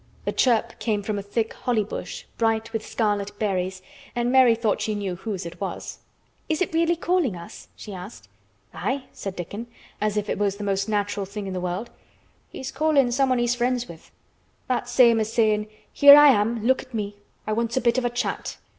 The chirp came from a thick holly bush, bright with scarlet berries, and Mary thought she knew whose it was. "Is it really calling us?" she asked. "Aye," said Dickon, as if it was the most natural thing in the world, "he's callin' someone he's friends with. That's same as sayin' 'Here I am. Look at me. I wants a bit of a chat.